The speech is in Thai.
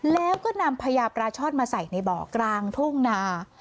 แล้วก็นำพญาปลาช่อนมาใส่ในบ่อกลางทุ่งนา